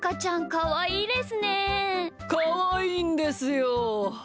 かわいいんですよ。